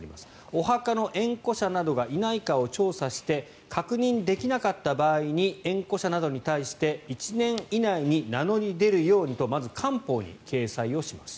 お墓の縁故者などがいないかを調査して確認できなかった場合に縁故者などに対して１年以内に名乗り出るようにとまず官報に掲載をします。